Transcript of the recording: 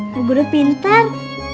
bu gurunya pintar